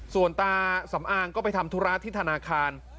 ส่วนตาสำอางก็ไปทำธุระที่ธนาคาร